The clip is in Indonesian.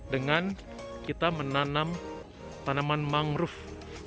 dengan kita menanam tanaman mangrove